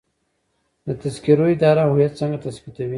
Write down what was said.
د تذکرو اداره هویت څنګه تثبیتوي؟